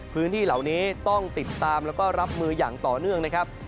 พื้นที่เหล่านี้ต้องติดตามแล้วก็รับมืออย่างต่อเนื่องนะครับ